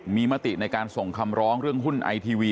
มีมติในการส่งคำร้องเรื่องหุ้นไอทีวี